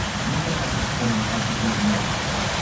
Nu este clar că putem realiza această aliniere.